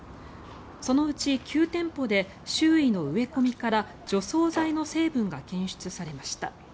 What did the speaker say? そのうち９店舗で周囲の植え込みから除草剤の成分が検出されました。